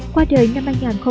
qua đời năm hai nghìn ba